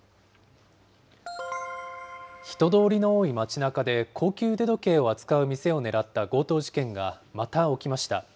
人通りの多い街なかで、高級腕時計を扱う店を狙った強盗事件がまた起きました。